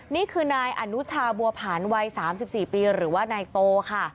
นี่คือนายอนุชาบัวผ่านวัย๓๔ปีหรือว่านายโตค่ะ